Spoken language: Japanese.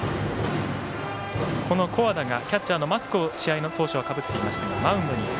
古和田がキャッチャーのマスクを試合当初はかぶっていましたが、マウンドに。